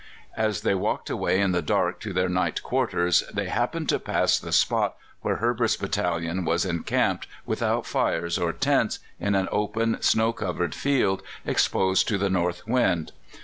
As they walked away in the dark to their night quarters, they happened to pass the spot where Herbert's battalion was encamped, without fires or tents, in an open, snow covered field, exposed to the north wind.